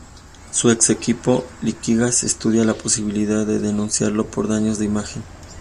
Su ex equipo Liquigas estudia la posibilidad de denunciarlo por daños de imagen.